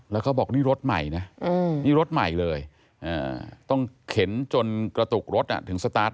แล้วก็บอกว่านี่รถใหม่นะต้องเข็นจนกระตุกรถถึงสตาร์ท